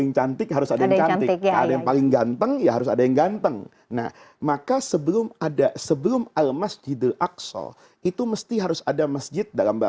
nah uangnya boleh berfluktuasi